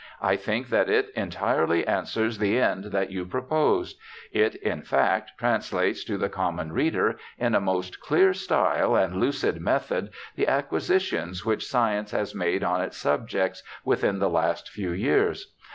I think that it entirely answers the end that you proposed. It, in fact, trans lates to the common reader, in a most clear style and lucid method, the acquisitions which science has made on its subjects within the last few years.